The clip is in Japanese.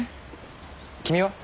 君は？